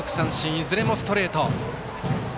いずれもストレート。